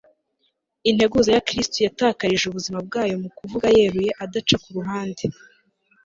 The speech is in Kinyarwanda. Integuza ya Kristo yatakarije ubuzima bwayo mu kuvuga yeruye adaca ku ruhande